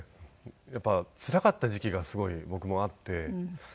やっぱりつらかった時期がすごい僕もあって。